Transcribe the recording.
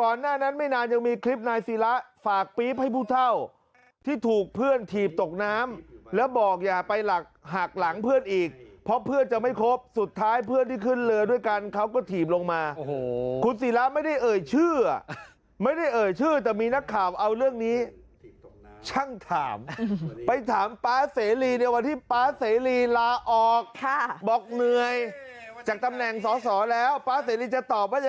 ก่อนหน้านั้นไม่นานยังมีคลิปนายศีราศีราศีราศีราศีราศีราศีราศีราศีราศีราศีราศีราศีราศีราศีราศีราศีราศีราศีราศีราศีราศีราศีราศีราศีราศีราศีราศีราศีราศีราศีราศีราศีราศีราศีราศีราศีราศีราศีราศีรา